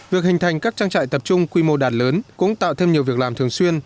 việc hình thành các trang trại tập trung quy mô đàn lớn cũng tạo thêm nhiều việc làm thường xuyên